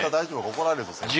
怒られるぞ先輩に。